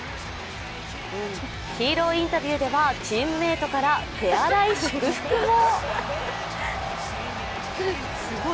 ヒーローインタビューでは、チームメイトから手荒い祝福も。